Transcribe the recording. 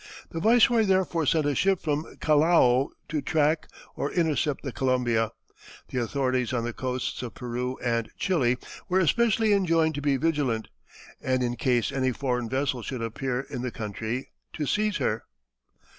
The viceroy therefore sent a ship from Callao to track or intercept the Columbia; the authorities on the coasts of Peru and Chili were especially enjoined to be vigilant, and in case any foreign vessel should appear in the country to seize her.